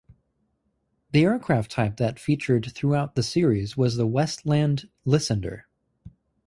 The aircraft type that featured throughout the series was the Westland Lysander.